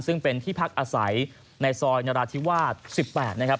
ซึ่งเป็นที่พักอาศัยในซอยนราธิวาส๑๘นะครับ